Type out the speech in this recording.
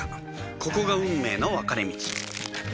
ここが運命の分かれ道